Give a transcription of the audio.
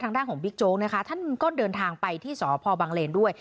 ทางด้านของบิ๊กโจ๊กนะคะท่านก็เดินทางไปที่สพบังเลนด้วย